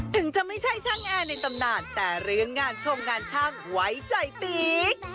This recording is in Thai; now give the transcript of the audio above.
ถึงจะไม่ใช่ช่างแอร์ในตำนานแต่เรื่องงานชงงานช่างไว้ใจติ๊ก